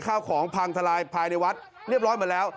ข้าวของพังทลายภายในวัดเรียบร้อยหมดแล้ว